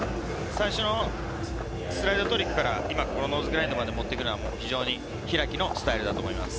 最初のスライドトリックから、今ノーズグラインドまで持ってくるのは非常に開のスタイルだと思います。